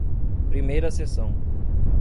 Primeira Seção